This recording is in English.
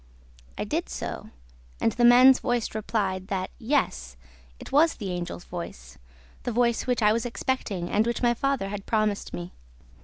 I did so; and the man's voice replied that, yes, it was the Angel's voice, the voice which I was expecting and which my father had promised me.